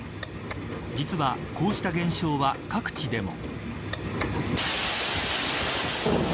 実は、こうした現象は各地でも。